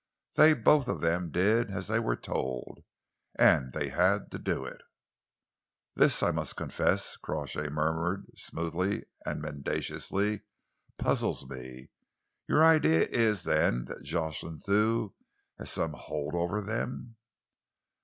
They both of them did as they were told, and they had to do it." "This, I must confess," Crawshay murmured, smoothly and mendaciously, "puzzles me. Your idea is, then, that Jocelyn Thew has some hold over them?"